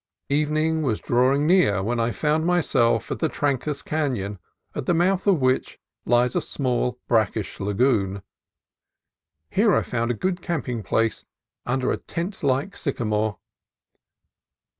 Evening was drawing near when I found my self at the Trancas Canon, at the mouth of which lies a small brackish lagoon. Here I found a good camping place under a great tent like sycamore.